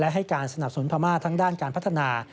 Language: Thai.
และให้การสนับสนพัมธ์ทั้งด้านการพัฒนา